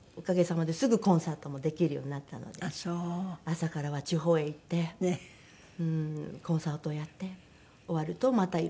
朝からは地方へ行ってコンサートをやって終わるとまたいろんなお仕事を。